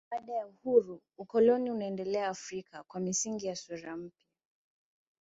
Baada ya uhuru ukoloni unaendelea Afrika kwa misingi na sura mpya.